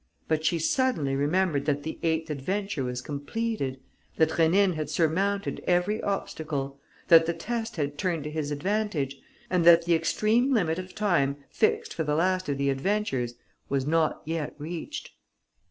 But she suddenly remembered that the eighth adventure was completed, that Rénine had surmounted every obstacle, that the test had turned to his advantage and that the extreme limit of time fixed for the last of the adventures was not yet reached.